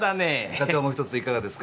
課長もひとついかがですか？